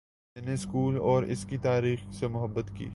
میں نے سکول اور اس کی تاریخ سے محبت کی